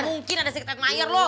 gak mungkin ada secret admirer lo